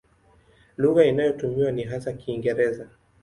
Lugha inayotumiwa ni hasa Kiingereza.